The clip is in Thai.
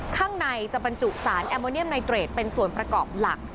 ข้างในจะบรรจุสารแอมโมเนียมไนเตรดเป็นส่วนประกอบหลัก